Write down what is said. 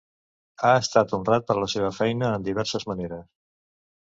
Ha estat honrat per la seva feina en diverses maneres.